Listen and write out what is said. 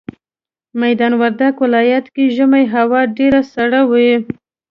ميدان وردګ ولايت کي ژمي هوا ډيره سړه وي